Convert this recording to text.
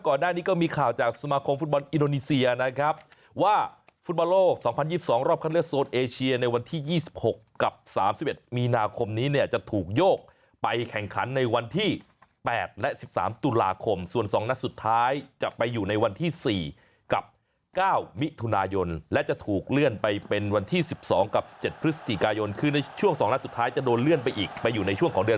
ครับก่อนหน้านี้ก็มีข่าวจากสมาคมฟุตบอลอิโนนีเซียนะครับว่าฟุตบอลโลก๒๐๒๒รอบคันเลือดโซนเอเชียในวันที่๒๖กับ๓๑มีนาคมนี้เนี่ยจะถูกโยกไปแข่งขันในวันที่๘และ๑๓ตุลาคมส่วน๒นัดสุดท้ายจะไปอยู่ในวันที่๔กับ๙มิถุนายนและจะถูกเลื่อนไปเป็นวันที่๑๒กับ๗พฤศจิกายนคือในช่วง๒นั